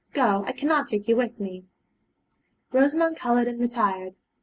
Go; I cannot take you with me.' Rosamond coloured and retired.